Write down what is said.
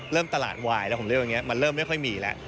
เริ่มตลาดวายด์มันเริ่มไม่ค่อยมีแล้ว